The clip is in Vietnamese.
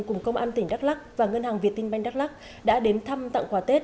cùng công an tỉnh đắk lắc và ngân hàng việt tinh banh đắk lắc đã đến thăm tặng quà tết